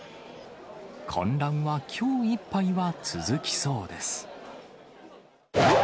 混乱はきょういっぱいは続きそうです。